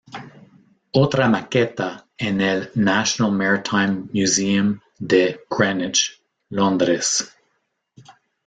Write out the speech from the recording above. Otra maqueta en el National Maritime Museum de Greenwich, Londres.